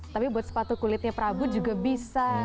tapi buat sepatu kulitnya prabu juga bisa